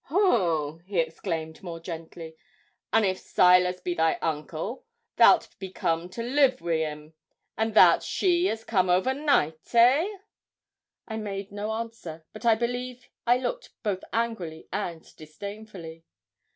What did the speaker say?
'Hoo!' he exclaimed more gently, 'an' if Silas be thy uncle thou'lt be come to live wi' him, and thou'rt she as come overnight eh?' I made no answer, but I believe I looked both angrily and disdainfully.